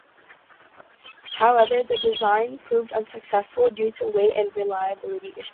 However, the design proved unsuccessful due to weight and reliability issues.